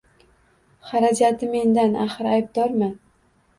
Xarajati mendan, axir aybdorman.